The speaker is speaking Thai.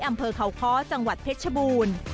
อำเภอเขาค้อจังหวัดเพชรชบูรณ์